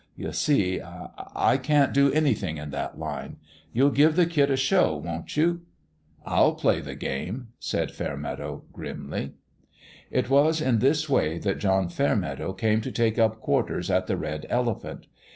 You see, I I can't do anything in that line. You'll give the kid a show, won't you?" " I'll play the game," said Fairmeadow, grimly. It was in this way that John Fairmeadow came to take up quarters at the Red Elephant.